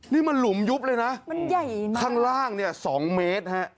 นี่มันหลุมยุบเลยนะข้างล่างสองเมตร